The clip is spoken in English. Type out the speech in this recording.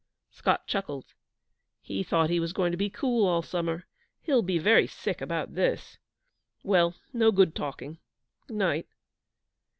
Scott chuckled. 'He thought he was going to be cool all summer. He'll be very sick about this. Well, no good talking. Night.'